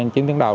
chiến tiến đạo